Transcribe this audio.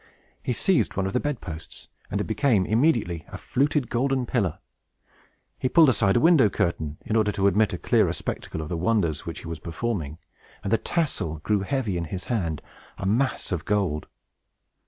He seized one of the bed posts, and it became immediately a fluted golden pillar. He pulled aside a window curtain, in order to admit a clear spectacle of the wonders which he was performing; and the tassel grew heavy in his hand, a mass of gold.